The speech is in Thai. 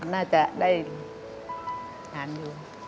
น่าจะได้น้ำดู